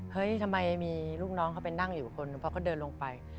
เฮอห์ทำไมมีลูกน้องเขาไปนั่งอยู่คุณพระก็เดินลงไป